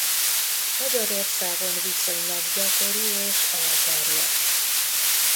Magyarországon viszonylag gyakori és elterjedt.